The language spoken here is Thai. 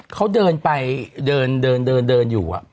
เขาเดินไปเดินอยู่